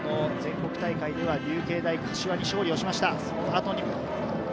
去年の全国大会では、流経大柏に勝利をしました。